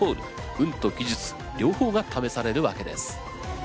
運と技術両方が試されるわけです。